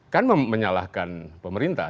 kan menyalahkan pemerintah